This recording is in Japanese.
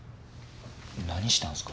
何したんすか？